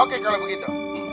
oke kalau begitu